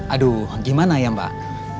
aduh gimana ya mbak